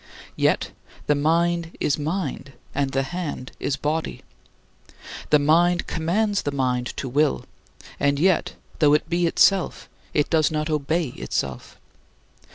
Yet the mind is mind, and the hand is body. The mind commands the mind to will, and yet though it be itself it does not obey itself.